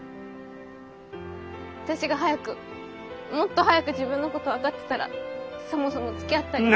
私が早くもっと早く自分のこと分かってたらそもそもつきあったり。